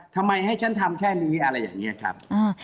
ทำไมให้ฉันทำแค่นี้อะไรอย่างนี้ครับ